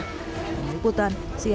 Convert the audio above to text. penyelamatan cnn indonesia